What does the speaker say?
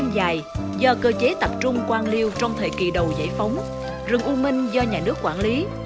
dài do cơ chế tập trung quan liêu trong thời kỳ đầu giải phóng rừng u minh do nhà nước quản lý